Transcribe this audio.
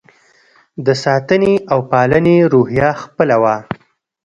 د ساتنې او پالنې روحیه خپله وه.